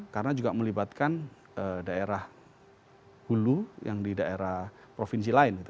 karena juga melibatkan daerah hulu yang di daerah provinsi lain